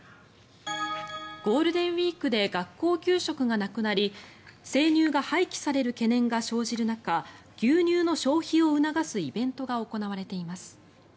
ゴールデンウィークで学校給食がなくなり生乳が廃棄される懸念が生じる中牛乳の消費を促すイベントが行われています。